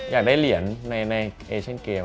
อยากได้เหรียญในเอเชียนเกม